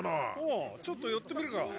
ああちょっとよってみるか。